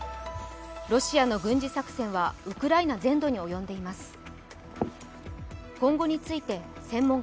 ロシアの軍事作戦はウクライナ全土に及んでいます。